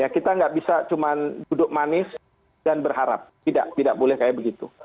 kita tidak bisa cuma duduk manis dan berharap tidak tidak boleh seperti itu